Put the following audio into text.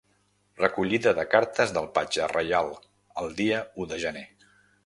Recollida de cartes pel Patge Reial, el dia u de gener.